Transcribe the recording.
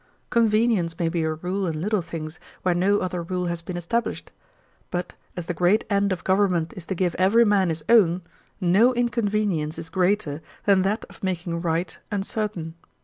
Convenience may be a rule in little things, where no other rule has been established. But as the great end of government is to give every man his own, no inconvenience is greater than that of making right uncertain.